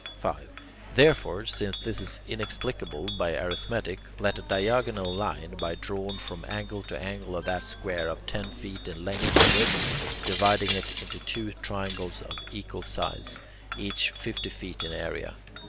5. Therefore, since this is inexplicable by arithmetic, let a diagonal line be drawn from angle to angle of that square of ten feet in length and width, dividing it into two triangles of equal size, each fifty feet in area.